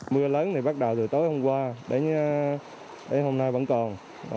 mưa lớn thì bắt đầu từ tối hôm qua đến hôm nay vẫn còn